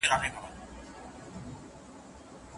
چي اوس د هر شېخ او ملا په حافظه کې نه يم